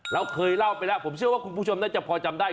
เราเคยเล่าไปแล้วผมเชื่อว่าคุณผู้ชมน่าจะพอจำได้